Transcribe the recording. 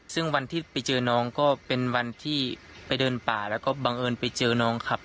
ซึ่งวันที่ไปเจอน้องก็เป็นวันที่ไปเดินป่าแล้วก็บังเอิญไปเจอน้องครับ